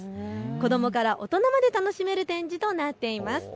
子どもから大人まで楽しめる展示となっています。